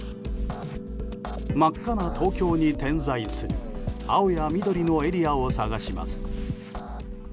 真っ赤な東京に点在する青や緑のエリアを探します。